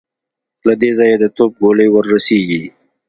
له دې ځايه د توپ ګولۍ ور رسېږي.